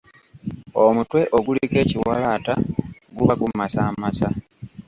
Omutwe oguliko ekiwalaata guba gumasaamasa.